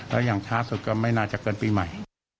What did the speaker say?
แล้วอย่างช้าสุดก็ไม่น่าจะเกินปีใหม่